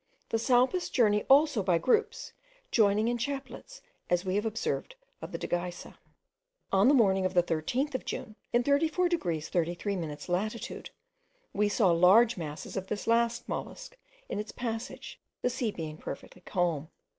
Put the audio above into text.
The salpas journey also by groups, joining in chaplets, as we have observed of the dagysa. On the morning of the 13th of June, in 34 degrees 33 minutes latitude, we saw large masses of this last mollusc in its passage, the sea being perfectly calm.